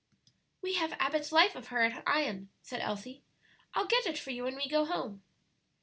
"We have Abbott's life of her at Ion," said Elsie. "I'll get it for you when we go home."